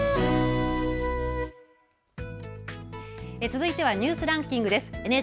続いてはニュースランキングです。